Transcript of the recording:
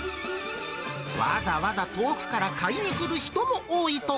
わざわざ遠くから買いに来る人も多いとか。